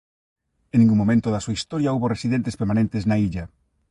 En ningún momento da súa historia houbo residentes permanentes na illa.